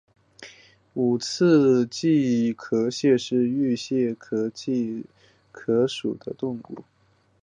五刺栗壳蟹为玉蟹科栗壳蟹属的动物。